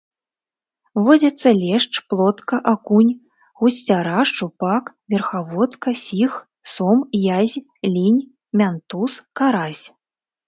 Водзяцца лешч, плотка, акунь, гусцяра, шчупак, верхаводка, сіг, сом, язь, лінь, мянтуз, карась.